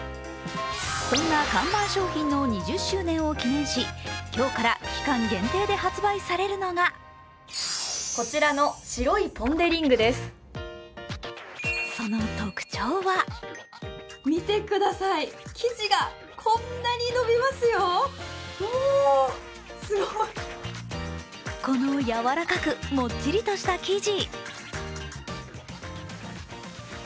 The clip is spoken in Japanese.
そんな看板商品の２０周年を記念し今日から期間限定で発売されるのがその特徴はこのやわらかくもっちりとした生地。